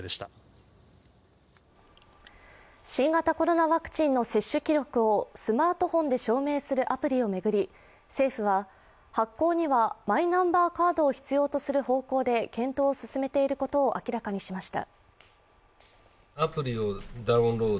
新型コロナワクチンの接種記録をスマートフォンで証明するアプリを巡り政府は発行にはマイナンバーカードを必要とする方向で検討を進めていることを明らかにしました。